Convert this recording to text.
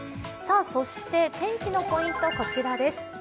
そして天気のポイント、こちらです。